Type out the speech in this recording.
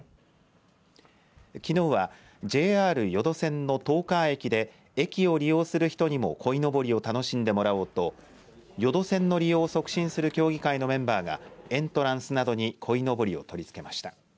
きのうはＪＲ予土線の十川駅で駅を利用する人にもこいのぼりを楽しんでもらおうと予土線の利用を促進する協議会のメンバーがエントランスなどにこいのぼりを取り付けました。